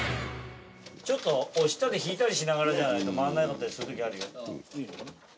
ちょっと押したり引いたりしながらじゃないと回んなかったりする時あるよ。